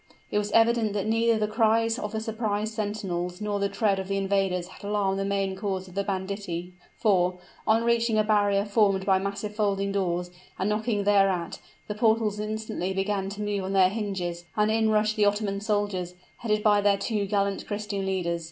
It was evident that neither the cries of the surprised sentinels nor the tread of the invaders had alarmed the main corps of the banditti; for, on reaching a barrier formed by massive folding doors, and knocking thereat, the portals instantly began to move on their hinges and in rushed the Ottoman soldiers, headed by their two gallant Christian leaders.